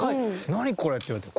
「何？これ」って言われて。